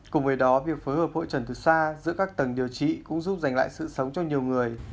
cùng với đó việc phối hợp hội trần từ xa giữa các tầng điều trị cũng giúp giành lại sự sống cho nhiều người